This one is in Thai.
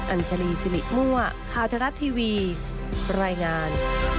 อัญชรีฟิริมัวคาวเทราะทีวีรายงาน